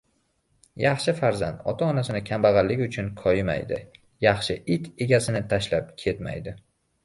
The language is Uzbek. • Yaxshi farzand ota-onasini kambag‘alligi uchun koyimaydi, yaxshi it egasini tashlab ketmaydi.